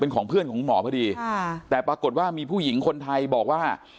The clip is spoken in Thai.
เป็นของเพื่อนของคุณหมอพอดีแต่ปรากฏว่ามีผู้หญิงคนไทยบอกว่า